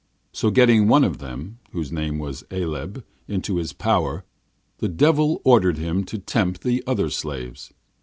So getting one of them, whose name was Aleb, into his power, the Devil ordered him to tempt the other slaves.